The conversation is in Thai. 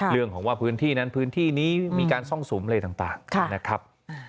เรื่องของว่าพื้นที่นั้นพื้นที่นี้มีการซ่องสุมอะไรต่างนะครับ